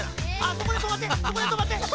そこでとまって！